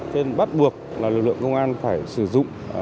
nên bắt buộc lực lượng công an phải sử dụng